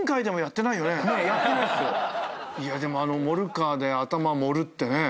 いやでもあの「モルカーで頭盛る」ってね。